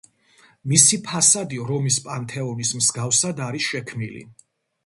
მისი ფასადი რომის პანთეონის მსგავსად არის შექმნილი.